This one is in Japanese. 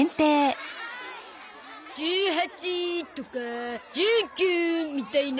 １８とか１９みたいな。